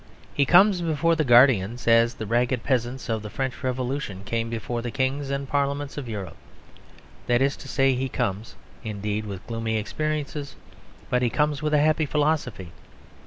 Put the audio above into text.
He comes before the Guardians as the ragged peasants of the French Revolution came before the Kings and Parliaments of Europe. That is to say, he comes, indeed, with gloomy experiences, but he comes with a happy philosophy.